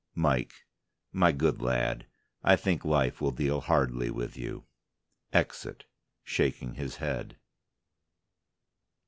MIKE: My good lad, I think life will deal hardly with you. (_Exit, shaking his head.